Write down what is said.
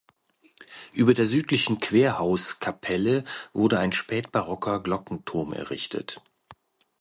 Über der südlichen Querhauskapelle wurde ein spätbarocker Glockenturm errichtet.